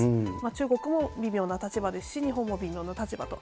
中国も微妙な立場ですし、日本も微妙な立場と。